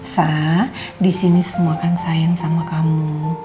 sah disini semua kan sayang sama kamu